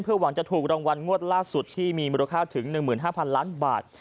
หวังจะถูกรางวัลงวดล่าสุดที่มีมูลค่าถึง๑๕๐๐๐ล้านบาท